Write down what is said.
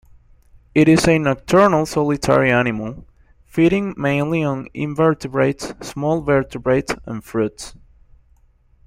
It is a nocturnal solitary animal, feeding mainly on invertebrates, small vertebrates and fruits.